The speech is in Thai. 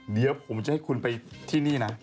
เดี๋ยวผมจะให้คุณไปที่นี่นะ